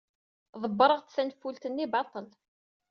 Ḍebbreɣ-d tanfult-nni baṭel.